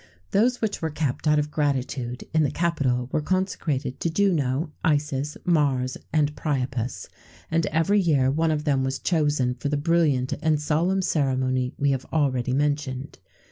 [XVII 62] Those which were kept, out of gratitude, in the Capitol, were consecrated to Juno, Isis, Mars, and Priapus,[XVII 63] and every year one of them was chosen for the brilliant and solemn ceremony we have already mentioned.